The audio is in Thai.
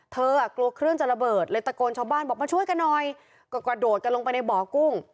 อ่ะกลัวเครื่องจะระเบิดเลยตะโกนชาวบ้านบอกมาช่วยกันหน่อยก็กระโดดกันลงไปในบ่อกุ้ง